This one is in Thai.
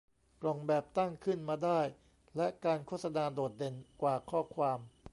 กล่องแบบตั้งขึ้นมาได้และการโฆษณาโดดเด่นกว่าข้อความ